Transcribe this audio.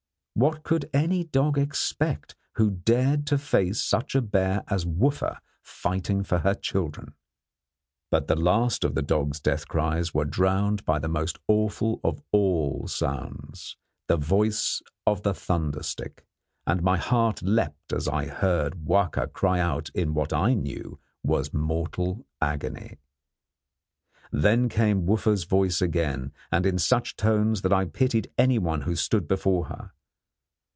What could any dog expect who dared to face such a bear as Wooffa fighting for her children? But the last of the dog's death cries were drowned by the most awful of all sounds, the voice of the thunder stick; and my heart leaped as I heard Wahka cry out in what I knew was mortal agony. Then came Wooffa's voice again, and in such tones that I pitied anyone who stood before her.